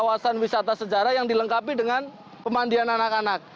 kawasan wisata sejarah yang dilengkapi dengan pemandian anak anak